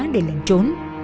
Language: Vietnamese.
để lệnh trốn